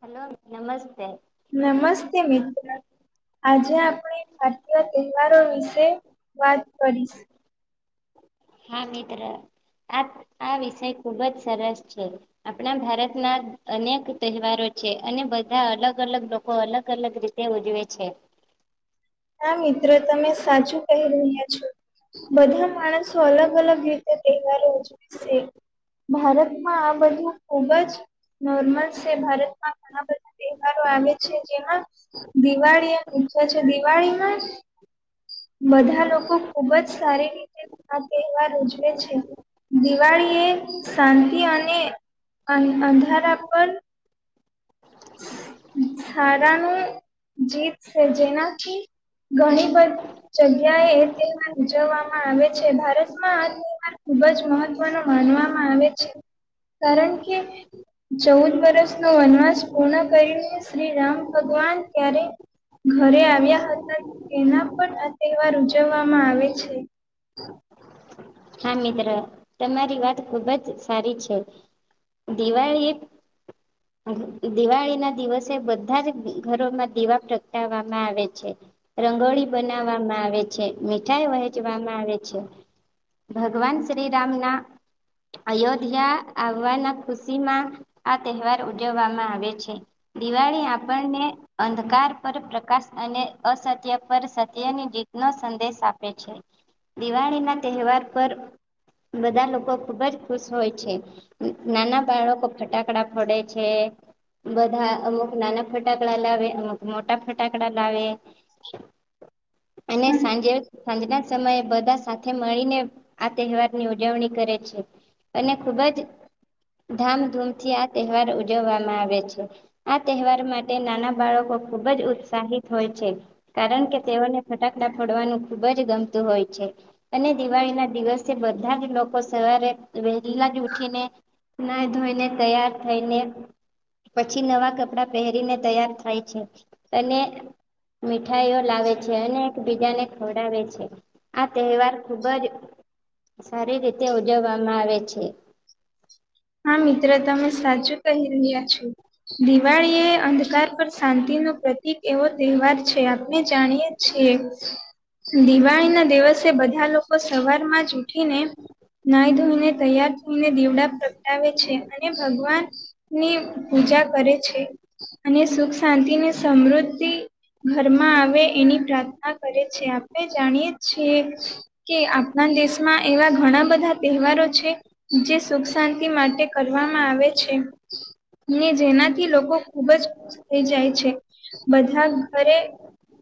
Hello નમસ્તે નમસ્તે મિત્ર આજે આપણે ભારતીય તહેવારો વિશે વાત કરીશ હા મિત્ર આ આ વિષય ખુબ જ સરસ છે આપણા ભારત ના અનેક તહેવારો છે અને બધા અલગ અલગ લોકો અલગ અલગ રીતે ઉજવે છે હા મિત્રો તમે સાચું કહી રહ્યા છો બધા માણસો અલગ અલગ રીતે તહેવારો ઉજવેશે ભારતમાં આ બધું ખુબ જ નોર્મલ છે ભારતમાં ઘણા બધા તહેવારો આવે છે જેમાં દિવાળી એમ પૂછે છે દિવાળી માં બધા લોકો ખુબ જ સારી રીતે આ તહેવાર ઉજવે છે દિવાળી એ શાંતિ અને અને અંધાર પણ સારાનુંું જીતશે જેનાથી ઘણી બધ જગ્યા એ તે ઉજવવામાં આવે છે ભારત દતમાં આ તહેવાર ખુબ જ મહત્વનો માનવામાં આવે છે કારણ કે ચૌદ વર્ષ નો વનવાસ કોણા ભને શ્રી રામ ભગવાન ક્યારે ઘરે આવ્યા હતા તેના પણ આ તહેવાર ઉજવવામાં આવે છે હા મિત્ર તમારી વાત ખુબ જ સારી છે દિવાળી દિવાળી ના દિવસે બધા જ ઘરોમાં દિવા પ્રગટાવવામાં આવે છે રંગોળી બનાવવામાં આવે છે મીઠાઈ વહેંચવામાં આવે છે ભગવાન શ્રી રામના અયોધ્યા આવવાના ખુશી માં આ તહેવાર ઉજવવામાં આવે છે દિવાળી આપણને અંધકાર પર પ્રકાશ અને અસત્ય પર સત્યની જીત ન સંદેશ આપે છે દિવાળી ના તહેવાર પર બધા લોકો ખુબ જ ખુશ હોય છે નાના બાળકો ફટાકડા ફડે છે બધા અમુક નાના ફટાકડા લાવે અમુક મોટા ફટાકડા લાવે અને સાંજે સાંજના સમયે બધા સાથે મળીને આ તહેવાર ની ઉજવણી કરે છે અને ખુબ જ ધામધૂમથી આ તહેવાર ઉજવવામાં આવે છે આ તહેવાર માટે નાના બાળકો ખુબ જ ઉત્સાહિત હોય છે કારણ કે તેઓને ફટાકડા ફડવાનું ખુબ જ ગમતું હોય છે અને દિવાળી ના દિવસે બધા જ લોકો સવારે વહેલા જ ઉઠીને ના ધોઈને તૈયાર થઈને પછી નવા કપડાં પહેરીને તૈયાર થાય છે અને મીઠાઈઓ લાવે છે અને એકબીજાને ખવડાવે છે આ તહેવાર ખુબ જ સારી રીતે ઉજવવામાં આવે છે હા મિત્ર તમે સાચું કહી રહ્યા છો દિવાળી એ અંધકાર પર શાંતિ ન પ્રત એક એવો તહેવાર છે આપને જાણીએ છીએ દિવાળી ના દિવસે બધા લોકો સવારમાં જ ઉઠીને ના ધોઈને તૈયાર થઈને દ ડા પ્રગટાવે છે અને ભગવાન ની પૂજા કરે છે અને સુખ શાંતિ ને સમૃદ્ધિ ઘરમાં આવે એની પ્રાર્થના કરે છે આપણે જાણીએ છીએ કે આપણા દેશમાં એવા ઘણા બધા તહેવારો છે જે સુખ શાંતિ માટે કરવામાં આવે છે ને જેનાથી લોકો ખુબ જ ખુશ થઈ જાય છે બધા ઘરે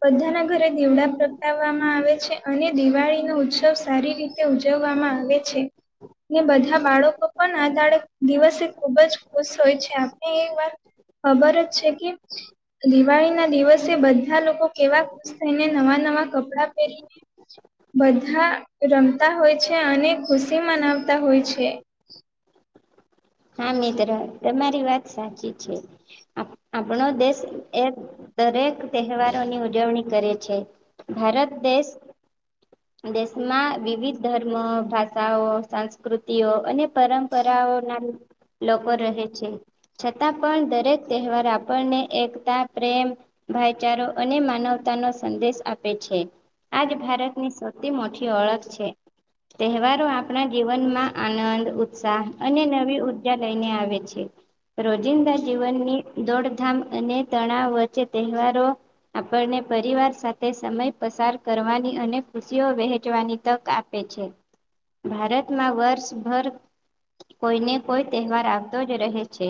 બધાના ઘરે દીવડા પ્રગટાવવામાં આવે છે અને દિવાળી નો ઉત્સવ સારી રીતે ઉજવવામાં આવે છે ને બધા બાળકો પણ આધળ દિવસે ખુબ જ ખુશ હોય છે આપણે એ વાત ખબર જ છે કે દિવાળી ના દિવસે બધા લોકો કેવા ખુશ થઈને નવા નવા કપડાં પહેરીને બધા રમતા હોય છે અને ખુશી મનાવતા હોય છે હા મિત્ર તમારી વાત સાચી છે આપણો દેશ એ દરેક તહેવારોની ઉજવણી કરે છે ભારત દેશ દેશમાં વિવિધ ધર્મો ભાષાઓ સંસ્કૃતિઓ અને પરંપરાઓ ના લોકો રહે છે છતાં પણ દરેક તહેવાર આપણને એકતા પ્રેમ ભાઈચારો અને માનવતા નો સંદેશ આપે છે આજ ભારતની મોઠી ઓળખ છે તહેવારો આપણા જીવનમાં આનંદ ઉત્સાહ અને નવી બજા લઈ ને આવે છે રોજિંદા જીવનની દોડધામ અને તણાવ વચ્ચે તહેવારો આપણને પરિવાર સાથે સમય પસાર કરવાની અને ખુશીઓ વહેચવાની તક આપ ભારતમાં વર્ષભર કોઈને કોઈ તહેવાર આવતો જ રહે છે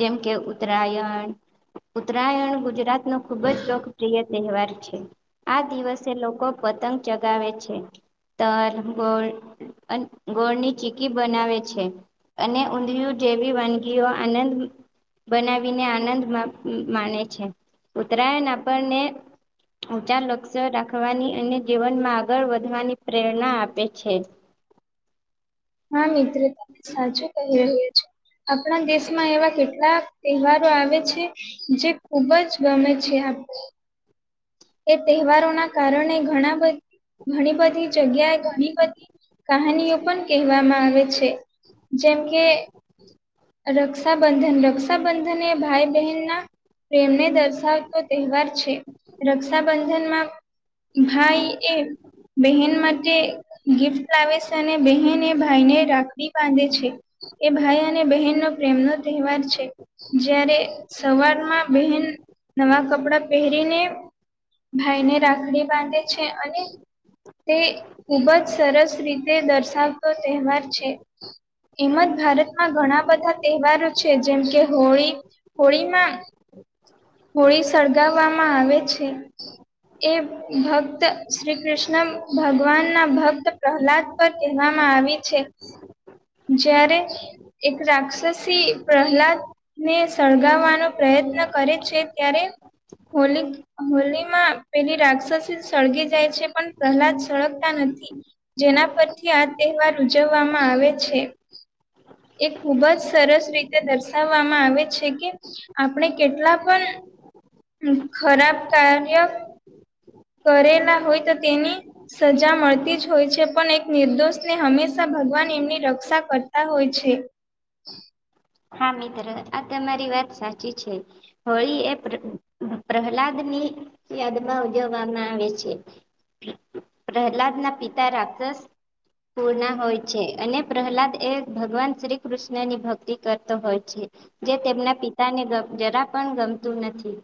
જેમ કે ઉત્તરાયણ ઉત્તરાયણ ગુજરાત ન ખુબ જ લોકપ્રિય તહેવાર છે આ દિવસે લોકો પતંગ ચગાવે છે ત ગોળ ગોળની ચીકી બનાવે છે અને ઊંધિયું જેવી વાનગીઓ આનંદ બનાવીને આનંદ માને છે ઉત્તરાયણ આપણને ઉંચા લક્ષ્ય રાખવાની અને જીવનમાં આગળ વધવાની પ્રેરણા આપે છે [unintelligible] હા મિત્રો તને સાચું કહી રહ્યા છો આપણા દેશમાં એવા કેટલાક તહેવારો આવે છે જે ખુબ જ ગમે છ આપ એ તહેવારોના કારણે ઘણા ઘણી બધી જગ્યાએ ઘણી બધી કહાનીઓ પણ કહેવામાં આવે છે જેમ કે રક્ષાબંધન રક્ષાબંધન એ ભાઈ બહેન ના પ્રેમને દર્શાવતો તહેવાર છે રક્ષાબંધનમાં ભાઈ એ બહેન માટે ગિફ્ટ લાવે છે અને બહેન એ ભાઈ ને રાખડી બાંધે છે એ ભાઈ અને બહેનનો પ્રેમનો તહેવાર છે જારે સવારમાં બહેન નવા કપડા પહેરીને ભાઈ ને રાખડી બાંધે છે અને તે ખૂબ જ સરસ રીતે દર્શાવ તહેવાર છે એમ જ ભારતમાં ઘણા બધા બા તહેવારો છે જેમ કે હોળી હોળીમાં હોળી સળગાવવામાં આવે છે એ ભક્ત શ્રી કૃષ્ણ ભગવાન ના ભક્ત પ્રહલાદ પર કહેવામાં આવી છે હ જ્યારે એક રાક્ષસી પ્રહલાદ ને સળગાવવાનો પ્રયત્ન કરે છે ત્યારે હોલી હોલી માં પેલી રાક્ષસી સળગી જાય છે પણ પહેલા જ સળગતા નથી જેના પરથી આ તહેવાર ઉજવવામાં આવે છે એ ખુબ જ સરસ રીતે દર્શાવવામાં આવે છે કે આપણે કેટલા પણ ખરાબ કાર્ય કરેલા હોય તો તેની સજા મળતી જ હોય છે પણ એક નિર્દોષને હંમેશા ભગવાન એમની રક્ષા કરતા હોય છે હા મિત્ર આ તમારી વાત સાચી છે હોળી એપ્ર પ્રહલાદ ની યાદમાં ઉજવવામાં આવે છે પ્રહલાદ ના પિતા રાક્ષસ પૂર્ણા હોય છે અને પ્રહલાદ એ ભગવાન શ્રી કૃષ્ણ ની ભક્તિ કરતો હોય છે. જે તેમના પિતાને જરા પણ ગમતું નથી.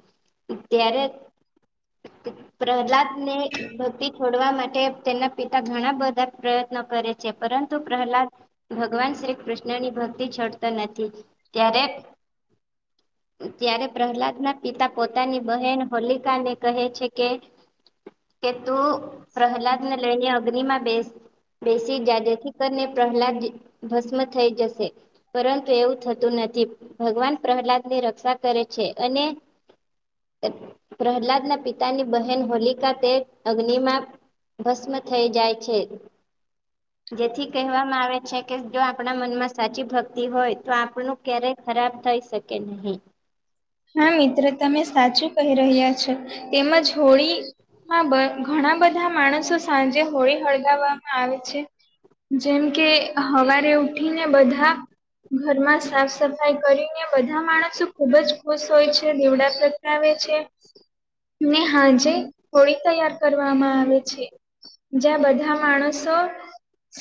ત્યારે પ્રહલાદ ને બતિ છોડી કરવા માટે તેમના પિતા ઘણા બધા પ્રયત્નો કરે છે. પરંતુ પ્રહલાદ ભગવાન શ્રી કૃષ્ણની ભક્તિ છોડતો નથી ત્યારે ત્યારે પ્રહલાદના પિતા પોતાની બહેન હોલિકાને કહે છે. કે કે તું પ્રહલાદ ને લઈને અગ્નિ માં બેસ બેસી જાદથી કરીને પ્રહલાદ ભસ્મ થઈ જશે પરંતુ એવું થતું નથી ભગવાન પ્રહલાદ, ની રક્ષા કરે છે અને પ્રહલાદના પિતાની બહેન હોલિકા તે અગ્નિમાં ભસ્મ થઈ જાય છે. જેથી કહેવામાં આવે છે. કે જો આપણા મનમાં સાચી ભક્ત હોય તો આપણું ક્યારેય ખરાબ થઈ, શકે નહી. હા મિત્ર તમે સાચું કહી રહ્યા છો, તેમજ હોળી ઘણા બધા માણસો સાંજે હોળી હળગાવવામાં આવે છે. જેમ કે હવારે ઉઠીને બધા ઘરમાં સાફ સફાઈ કરીને બધા માણસો ખુબ જ ખુશ હોય છે નીવડા પ્રતાવે છે. ને, હાજે હોળી તૈયાર કરવામાં આવે છે. જ્યાં બધા માણસો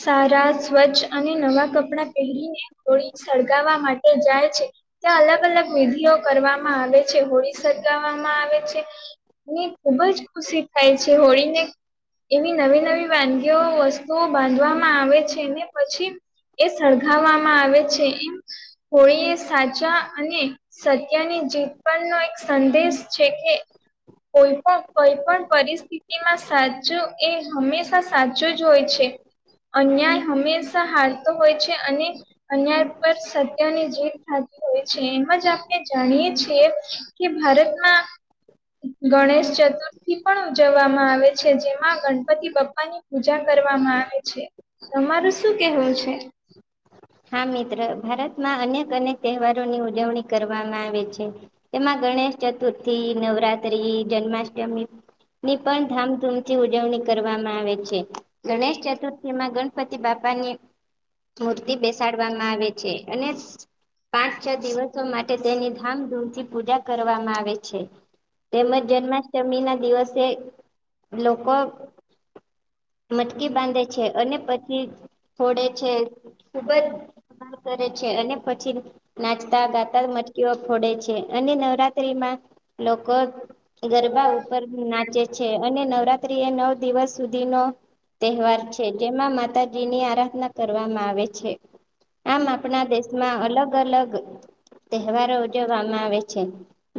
સારા સ્વચ્છ અને, નવા કપડાં પહેરીને હોળી સળગાવવા માટે જાય છે. ત્યાં અલગ અલગ વિધિઓ કરવામાં આવે છે હોળી સળગાવવામાં આવે છે. મને ખુબ જ ખુશી થાય છે. હોળીને એવી નવી નવી વાનગીઓ વસ્તુઓ બાંધવામાં આવે છે. ને પછી એ સળગાવવામાં આવે છે. એમ હોળી એ સાચા અને સત્યની જીત પણનોો એક સંદેશ છે. કે કોઈ પણ કોઈ પણ પરિસ્થિતિમાં સાચું એ હંમેશા સાચું જ હોય છે. અન્યાય હંમેશા હારતો હોય છે. અને અન પર સત્યની જીભ થતી હોય છે. એમ જ જાણીએે છીએ કે, ભારતમાં ગણેશ ચતુર્થી પણ ઉજવવામાં આવે છે. જેમાં ગણપતિ પપ્પા ની પૂજા કરવામાં આવે છે તમારું શું કેવું છે. હા મિત્ર ભારતમાં અનેક અનેક તહેવારોની ઉજવણી કરવામાં આવે છે. એમાં ગણેશ ચતુર્થી નવરાત્રી જન્માષ્ટમી ની પણ ધામધૂમથી ઉજવણી કરવામાં આવે છે. ગણેશ ચતુર્થી માં ગણપતિ બાપાની મૂર્તિ થી બેસાડવામાં આવે છે. અને પાંચ છ દિવસો માટે તેની ધામધૂમથી પૂજા કરવામાં આવે છે. તેમજ જન્માષ્ટમી ના દિવસે લોકો મટકી બાંધે છે. અને પછી ફોડે છે ખુબ જ કરે છે અને પછી નાચતા ગાતા મટકીઓ ફોડે છે, અને નવરાત્રીમાં લોકો ગરબા ઉપર નાચે છે અને નવરાત્રી એ નવ દિવસ સુધીનો તહેવાર છે જેમાં માતાજીની આરાધના કરવામાં આવે છે. આમ આપણા દેશમાં અલગ, અલગ તહેવારો ઉજવવામાં આવે છે.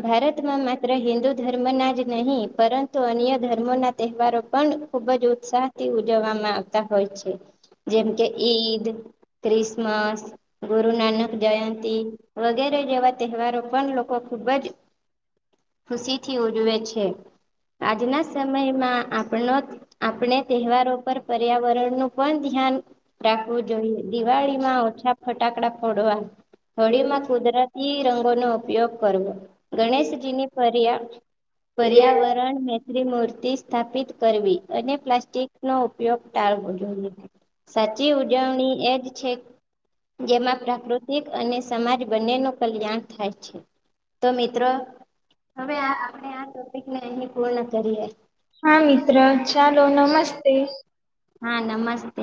ભારતમાં માત્ર હિન્દુ ધર્મ ના, જ નહીં પરંતુ અન્ય ધર્મો ના તહેવારો પણ ખુબ જ ઉત્સાહ ઉજવવામાં આવતા હોય છે જેમ કે ઈદ, ક્રિસમસ ગુરુનાનક જયંતી વગેરે જેવા તહેવારો પણ લોકો ખૂબ જ ખુશી થી ઉજવે છે, આજના સમયમાં આપણો આપણે તહેવારો પર પર્યાવરણ નું પણ ધ્યાન રાખવું જોઈએ. દિવાળીમાં ઓછા ફટાકડા ફોડવા હોળીમાં કુદરતી રંગો નો ઉપયોગ કરવો ગણેશજીની પર્યાવરણ ત્રિમૂર્તિ સ્થાપિત કરવી અને પ્લાસ્ટિક નો ઉપયોગ ટાળવો જોઈએ સાચી ઉજવણી એજ છે જેમાં પ્રાકૃતિક અને સમાજ બંને નુ કલ્યાણ થાય છે તો મિત્રો હવે આપણે આ ટોપિકને અહી પૂર્ણ કરીએ હા મિત્ર ચાલો નમસ્તે હા નમસ્તે